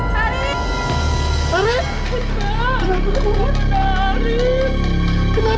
terus klik link bawang ketemu keluman nya